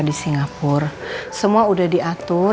di singapura semua udah diatur